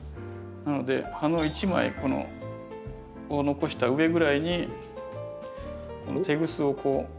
なので葉の１枚このこう残した上ぐらいにこのテグスをこう。